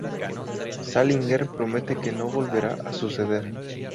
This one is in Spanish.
Salinger promete que no volverá a suceder.